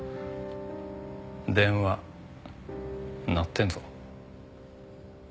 電話鳴ってんぞ。